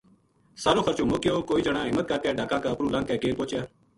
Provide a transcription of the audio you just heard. سارو خرچو مُک گیو کوئی جنا ہمت کر کے ڈھاکاں کا اُپروں لنگ کے کیل پوہچیا